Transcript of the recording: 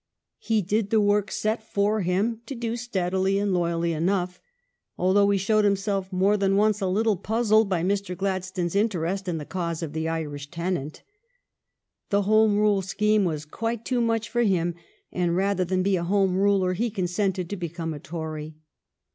He did the work set for him to do steadily and loyally enough, although he showed himself more than once a little puzzled by Mr. Gladstone's interest in the cause of the Irish tenant. The Home Rule scheme was quite too much for him, and rather than be a Home Ruler he consented to become a Tory.